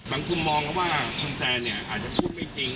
สังคมมองว่าคุณแซนเนี่ยอาจจะพูดไม่จริง